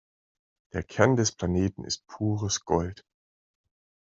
Der Kern des Planeten ist pures Gold.